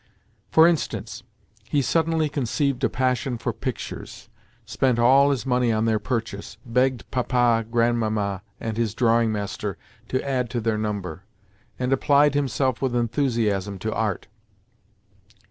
For instance, he suddenly conceived a passion for pictures, spent all his money on their purchase, begged Papa, Grandmamma, and his drawing master to add to their number, and applied himself with enthusiasm to art.